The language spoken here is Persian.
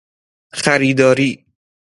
خریداری